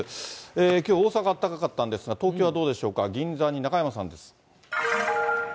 きょう、大阪あったかかったんですが、東京はどうでしょうか、銀座に中山さんです。